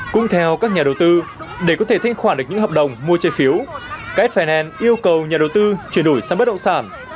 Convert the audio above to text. cũng theo các nhà đầu tư để có thể thích khoản được những hợp đồng mua trái phiếu ks finance yêu cầu nhà đầu tư chuyển đổi sang bất động sản